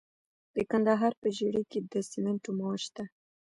د کندهار په ژیړۍ کې د سمنټو مواد شته.